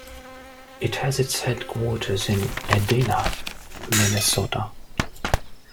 It has its headquarters in Edina, Minnesota.